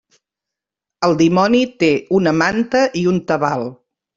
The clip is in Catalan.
El dimoni té una manta i un tabal.